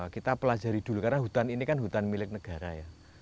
kita pelajari dulu karena hutan ini kan hutan milik negara ya